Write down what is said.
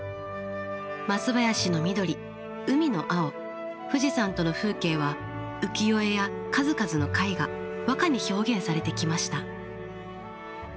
松林の緑海の青富士山との風景は浮世絵や数々の絵画和歌に表現されてきました。